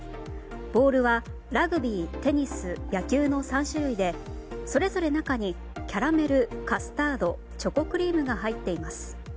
ボールはラグビー、テニス野球の３種類でそれぞれ中にキャラメル、カスタードチョコクリームが入っています。